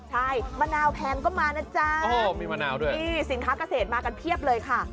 ใช่มะนาวแพงก็มานะจ๊ะมีมะนาวด้วยนี่สินค้าเกษตรมากันเพียบเลยค่ะ